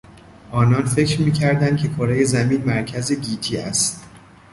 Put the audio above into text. آنان فکر میکردند که کرهی زمین مرکز گیتی است.